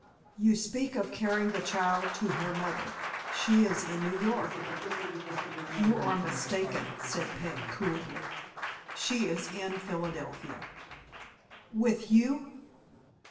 "You speak of carrying the child to her mother. She is in New York." "You are mistaken," said Peg, coolly. "She is in Philadelphia." "With you?"